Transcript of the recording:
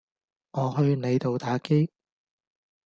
我去你度打機